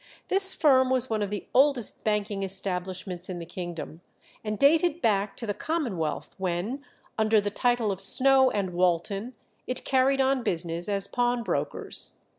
This firm was one of the oldest banking establishments in the kingdom, and dated back to the Commonwealth, when, under the title of Snow and Walton, it carried on business as pawnbrokers.